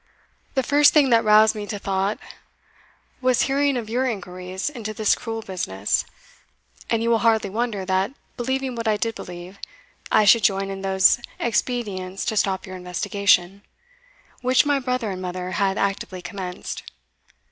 The first thing that roused me to thought was hearing of your inquiries into this cruel business; and you will hardly wonder, that, believing what I did believe, I should join in those expedients to stop your investigation, which my brother and mother had actively commenced.